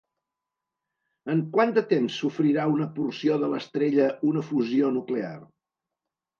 En quant de temps sofrirà una porció de l'estrella una fusió nuclear?